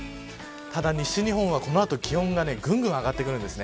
ただ、西日本はこの後気温がぐんぐん上がってくるんです。